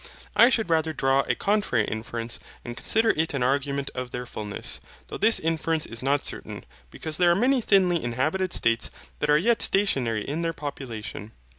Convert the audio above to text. I should rather draw a contrary inference and consider it an argument of their fullness, though this inference is not certain, because there are many thinly inhabited states that are yet stationary in their population.